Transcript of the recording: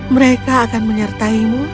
mereka akan menyertaimu